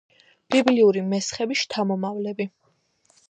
ბიბლიური მესხების შთამომავლები.